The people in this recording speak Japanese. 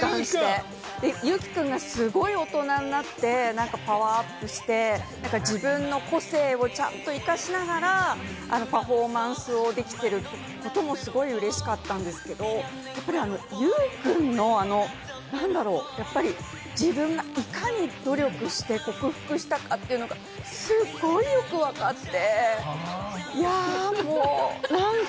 ユウキくんがすごく大人になってパワーアップして、自分の個性をちゃんと生かしながら、あのパフォーマンスができていることもすごく嬉しかったんですけれども、ユウくんの何だろう、やっぱり自分がいかに努力して克服したかというのがすごくよくわかって、いや、もう、なんか。